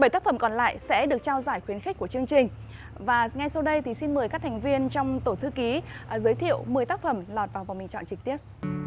bảy tác phẩm còn lại sẽ được trao giải khuyến khích của chương trình và ngay sau đây thì xin mời các thành viên trong tổ thư ký giới thiệu một mươi tác phẩm lọt vào vòng bình chọn trực tiếp